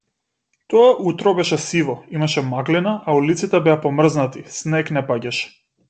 Тоа утро беше сиво, имаше маглина, а улиците беа помрзнати, снег не паѓаше.